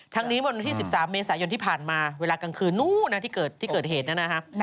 ทั้งนี้บนที่๑๓เมษายนที่ผ่านมาเวลากลางคืนนู้นนะที่เกิดเหตุนะครับ